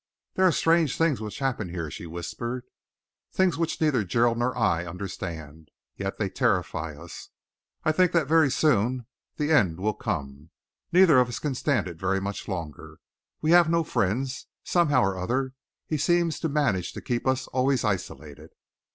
"There are strange things which happen here," she whispered, "things which neither Gerald nor I understand. Yet they terrify us. I think that very soon the end will come. Neither of us can stand it very much longer. We have no friends. Somehow or other, he seems to manage to keep us always isolated."